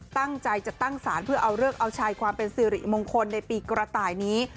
ตั้งใจจะตั้งสารเพื่อเอาเลิกเอาชัยความเป็นสิริมงคลในปีกระต่ายนี้